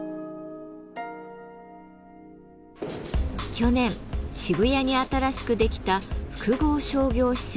去年渋谷に新しくできた複合商業施設。